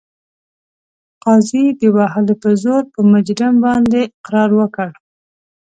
قاضي د وهلو په زور په مجرم باندې اقرار وکړ.